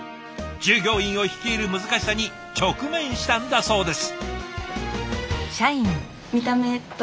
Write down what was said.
従業員を率いる難しさに直面したんだそうです。